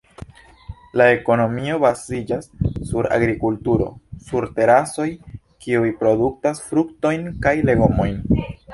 La ekonomio baziĝas sur agrikulturo sur terasoj kiuj produktas fruktojn kaj legomojn.